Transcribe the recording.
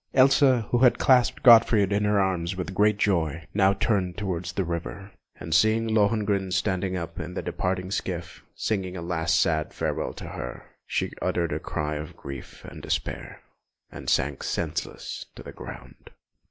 Elsa, who had clasped Gottfried in her arms with great joy, now turned towards the river, and seeing Lohengrin standing up in the departing skiff signing a last sad farewell to her, she uttered a cry of grief and despair, and sank senseless to the ground.